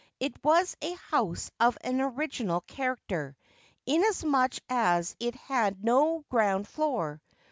It was a house of an original character, inasmuch as it had no ground floor.